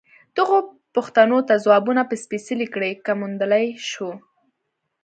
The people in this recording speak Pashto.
دغو پوښتنو ته ځوابونه په سپېڅلې کړۍ کې موندلای شو.